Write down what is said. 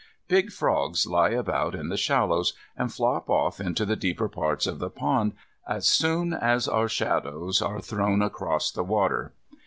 Big frogs lie about in the shallows, and flop off into the deeper parts of the pond, as soon as our shadows are thrown across the water.